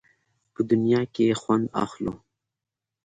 په دنیا کې یې خوند اخلو.